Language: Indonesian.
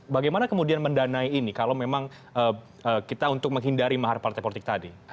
bagaimana kemudian mendanai ini kalau memang kita untuk menghindari mahar partai politik tadi